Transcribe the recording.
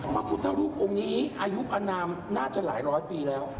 พระพุทธรูปองค์นี้อายุอนามน่าจะหลายร้อยปีแล้ว